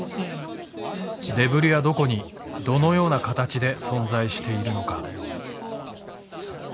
デブリはどこにどのような形で存在しているのか。